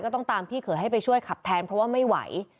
ต้องตามพี่เขยให้ไปช่วยขับแทนเพราะว่าไม่ไหว